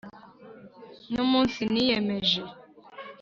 numunsi niyemeje